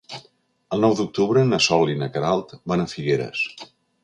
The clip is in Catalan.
El nou d'octubre na Sol i na Queralt van a Figueres.